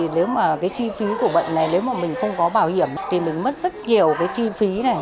nếu mà cái chi phí của bệnh này nếu mà mình không có bảo hiểm thì mình mất rất nhiều cái chi phí này